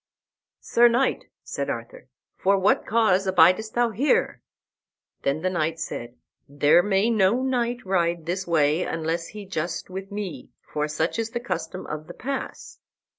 "Sir knight," said Arthur, "for what cause abidest thou here?" Then the knight said, "There may no knight ride this way unless he just with me, for such is the custom of the pass."